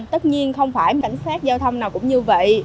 tất nhiên không phải cảnh sát giao thông nào cũng như vậy